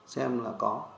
xem là có